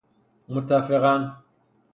متفقا ً